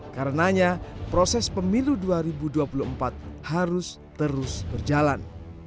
karena proses pemilu dua ribu dua puluh empat harus terus berjalan